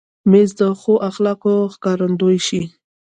مېز د ښو اخلاقو ښکارندوی شي.